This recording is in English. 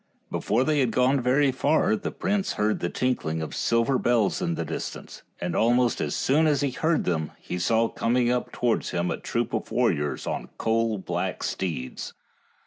Before they had gone very far the prince heard the tinkling of silver bells in the distance, and almost as soon as he heard them he saw coming up towards him a troop of warriors on coal black steeds.